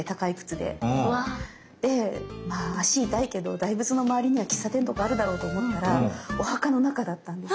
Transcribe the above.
でまあ足痛いけど大仏の周りには喫茶店とかあるだろうと思ったらお墓の中だったんです。